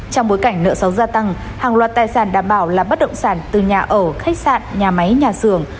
trong bối cảnh nợ xấu gia tăng hàng loạt tài sản đảm bảo là bất động sản từ nhà ở khách sạn nhà máy nhà xưởng